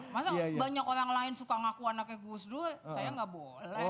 masa banyak orang lain suka ngaku anaknya gus dur saya nggak boleh